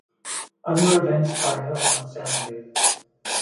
Other events are held on Saturday.